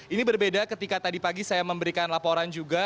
ini berbeda ketika tadi pagi saya memberikan laporan juga